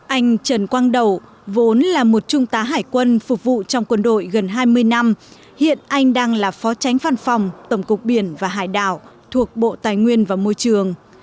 anh trần quang đầu vốn là một trung tá hải quân phục vụ trong quân đội gần hai mươi năm hiện anh đang là phó tránh văn phòng tổng cục biển và hải đảo thuộc bộ tài nguyên và môi trường